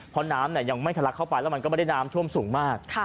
เพราะน้ำยังไม่ทะลักเข้าไปแล้วมันก็ไม่ได้น้ำท่วมสูงมาก